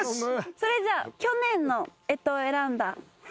それじゃ去年の干支を選んだ濱家さん。